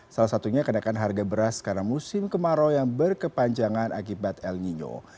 salah satunya kenaikan harga beras karena musim kemarau yang berkepanjangan akibat el nino